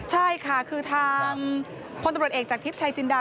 ใช่ค่ะคือทางพลตำรวจเอกจากทริปชัยจินดา